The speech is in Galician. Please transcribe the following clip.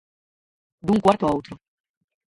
Dun cuarto a outro.